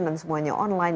dan semuanya online